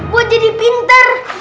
buat jadi pinter